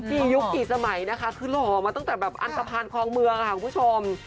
ยุคกี่สมัยนะคะคือหล่อมาตั้งแต่แบบอันตภัณฑ์คลองเมืองค่ะคุณผู้ชม